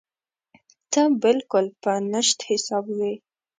ته بالکل په نشت حساب وې.